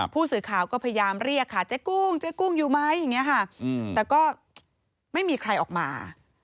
ผู้สื่อข่าก็พยายามเรียกค่ะเจ๊กุ้งแต่ก็ไม่มีใครออกมา